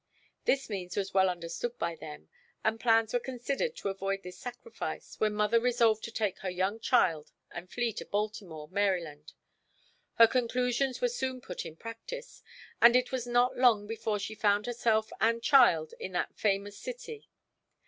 This means was well understood by them, and plans were considered to avoid this sacrifice when mother resolved to take her young child and flee to Baltimore, Md. Her conclusions were soon put in practice, and it was not long before she found herself and child in that famous city.